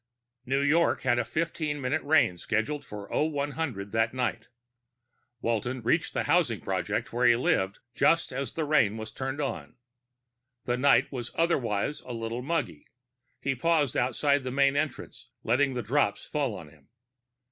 New York had a fifteen minute rain scheduled at 0100 that night. Walton reached the housing project where he lived just as the rain was turned on. The night was otherwise a little muggy; he paused outside the main entrance, letting the drops fall on him.